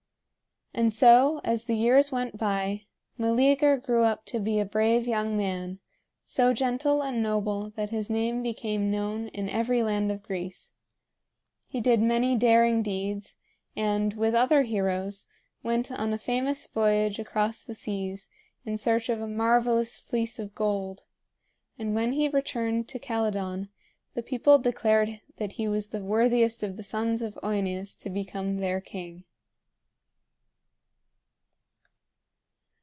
And so, as the years went by, Meleager grew up to be a brave young man, so gentle and noble that his name became known in every land of Greece. He did many daring deeds and, with other heroes, went on a famous voyage across the seas in search of a marvelous fleece of gold; and when he returned to Calydon the people declared that he was the worthiest of the sons of OEneus to become their king.